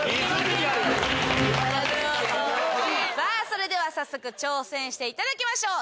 それでは早速挑戦していただきましょう！